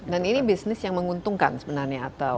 dan ini bisnis yang menguntungkan sebenarnya atau